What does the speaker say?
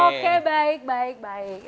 oke baik baik baik